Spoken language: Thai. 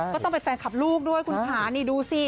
ก็ต้องเป็นแฟนคลับลูกด้วยคุณค่ะนี่ดูสิ